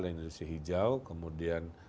dan industri hijau kemudian